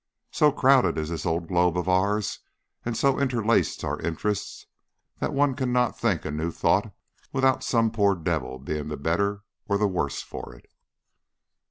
So crowded is this old globe of ours, and so interlaced our interests, that one cannot think a new thought without some poor devil being the better or the worse for it.